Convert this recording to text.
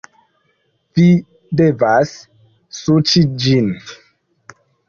Vi devas suĉi ĝin